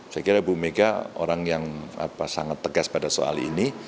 saya kira ibu mega orang yang sangat tegas pada soal ini